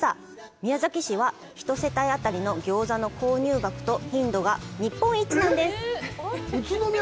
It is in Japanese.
宮崎市は、１世帯当たりの餃子の購入額と頻度が日本一なんです。